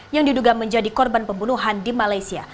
yang diduga menjadi korban pembunuhan di malaysia